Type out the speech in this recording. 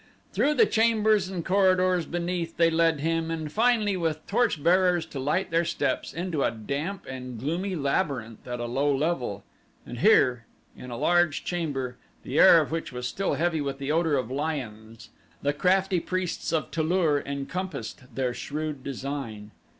Through the chambers and corridors beneath they led him, and finally, with torch bearers to light their steps, into a damp and gloomy labyrinth at a low level and here in a large chamber, the air of which was still heavy with the odor of lions, the crafty priests of Tu lur encompassed their shrewd design.